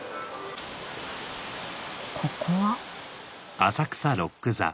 ここは？